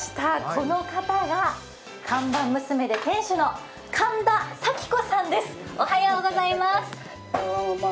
この方が看板娘で店主の神田佐喜子さんです。